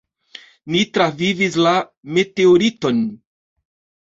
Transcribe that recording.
"Ni travivis la meteoriton."